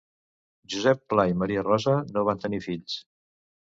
Josep Pla i Maria Rosa no van tenir fills.